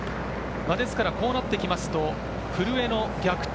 ですから、こうなってくると古江の逆転